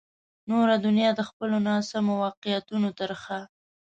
نوره دنیا د خپلو ناسمو واقعیتونو ترخه.